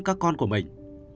các con của mình